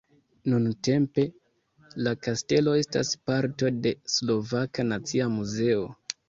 Nuntempe la kastelo estas parto de Slovaka nacia muzeo.